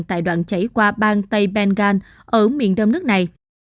tại đoạn chảy qua bang tây bengal ở miền đông nước này